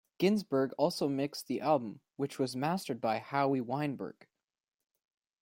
Ginsburg also mixed the album, which was mastered by Howie Weinberg.